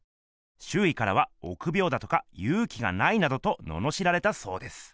しゅういからはおくびょうだとかゆうきがないなどとののしられたそうです。